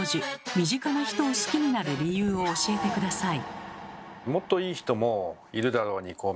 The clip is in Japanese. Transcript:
身近な人を好きになる理由を教えて下さい。